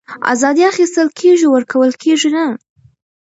آزادي اخيستل کېږي ورکول کېږي نه